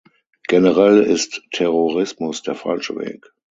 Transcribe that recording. Generell ist Terrorismus der falsche Weg.